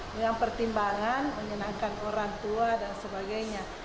dengan pertimbangan menyenangkan orang tua dan sebagainya